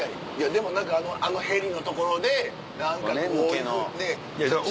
でも何かあのへりの所で何かこういう写真。